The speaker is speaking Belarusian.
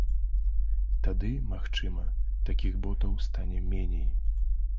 Тады, магчыма, такіх ботаў стане меней.